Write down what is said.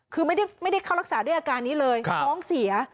คือไม่ได้เข้ารักษาด้วยอาการนี้เลยท้องเสีย